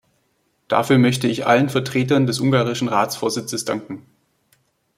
Dafür möchte ich allen Vertretern des ungarischen Ratsvorsitzes danken.